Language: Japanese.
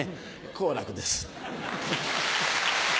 好楽です。